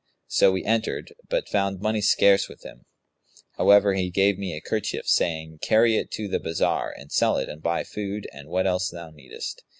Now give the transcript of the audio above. So we entered but found money scarce with him: however, he gave me a kerchief, saying, 'Carry it to the bazar and sell it and buy food and what else thou needest.'